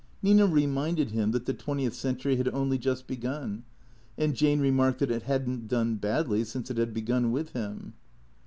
Nina reminded him that the twentieth century had only just begun, and Jane remarked that it had n't done badly since it had begun with him.